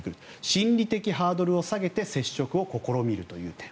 心理的ハードルを下げて接触を試みるという点。